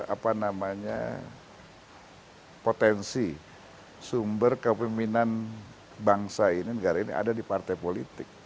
apa namanya potensi sumber kepemimpinan bangsa ini negara ini ada di partai politik